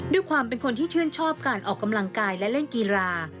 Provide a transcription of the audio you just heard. ด้วยความเป็นคนที่ชื่นชอบการออกกำลังกายและเล่นกีฬา